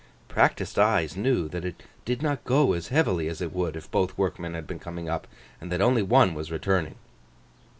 Practised eyes knew that it did not go as heavily as it would if both workmen had been coming up, and that only one was returning.